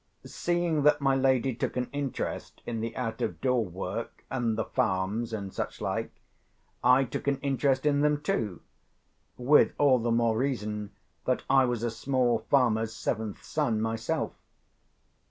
Seeing that my lady took an interest in the out of door work, and the farms, and such like, I took an interest in them too—with all the more reason that I was a small farmer's seventh son myself.